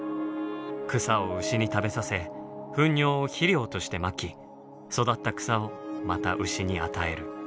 草を牛に食べさせふん尿を肥料としてまき育った草をまた牛に与える。